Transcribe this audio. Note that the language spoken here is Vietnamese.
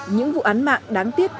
những vụ án mạng đáng tiếc